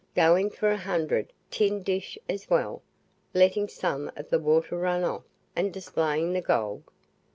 "Going for a hundred, tin dish as well!" letting some of the water run off, and displaying the gold.